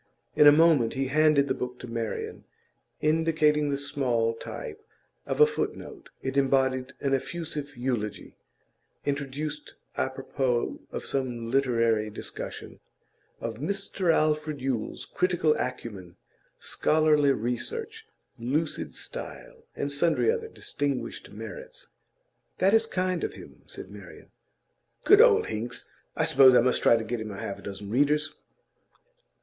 In a moment he handed the book to Marian, indicating the small type of a foot note; it embodied an effusive eulogy introduced a propos of some literary discussion of 'Mr Alfred Yule's critical acumen, scholarly research, lucid style,' and sundry other distinguished merits. 'That is kind of him,' said Marian. 'Good old Hinks! I suppose I must try to get him half a dozen readers.